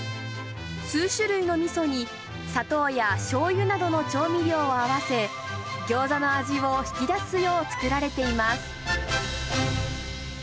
数種類のみそに、砂糖やしょうゆなどの調味料を合わせ、ギョーザの味を引き出すよう作られています。